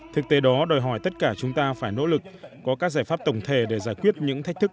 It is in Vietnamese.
thực tế đó đòi hỏi tất cả chúng ta phải nỗ lực có các giải pháp tổng thể để giải quyết những thách thức